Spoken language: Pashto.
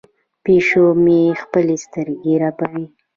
پیشو مې خپلې سترګې رپوي.